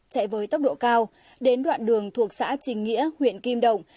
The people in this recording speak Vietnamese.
chạy với tốc độ cao đến đoạn đường thuộc xã trình nghĩa huyện kim động